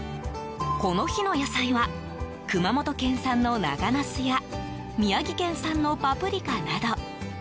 この日の野菜は熊本県産の長ナスや宮城県産のパプリカなど。